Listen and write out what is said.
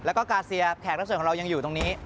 แล้วก็กาเซียแขกรับเชิญของเรายังอยู่ตรงนี้